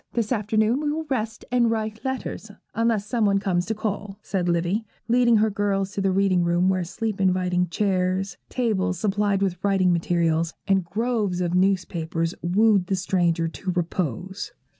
This afternoon we will rest and write letters, unless some one comes to call,' said Livy, leading her girls to the reading room, where sleep inviting chairs, tables supplied with writing materials, and groves of newspapers, wooed the stranger to repose.